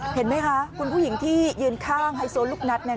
เห็นไหมคะคุณผู้หญิงที่ยืนข้างไฮโซลูกนัด